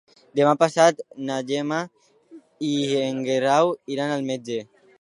Demà passat na Gemma i en Guerau iran al metge.